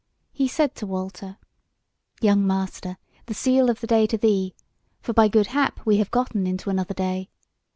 He said to Walter: "Young master, the sele of the day to thee! For by good hap we have gotten into another day.